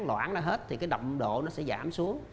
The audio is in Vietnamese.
loãng ra hết thì cái động độ nó sẽ giảm xuống